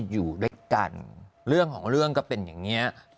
อยู่ด้วยกันเรื่องของจะเป็นอย่างเนี้ยก็